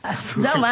どうも。